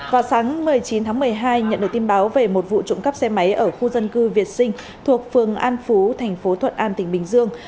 vào sáng một mươi chín tháng một mươi hai nhận được tin báo về một vụ trộm cắp xe máy ở khu dân cư việt sinh thuộc phường an phú thành phố thuận an tỉnh bình dương